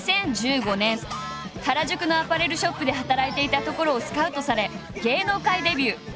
２０１５年原宿のアパレルショップで働いていたところをスカウトされ芸能界デビュー。